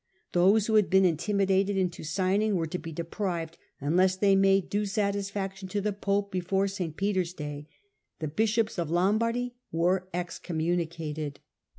Those who had been intimidated into signing were to be deprived unless they made due satisfaction to the pope before St. Peter's Day. The bishops of Lombardy were excommunicated.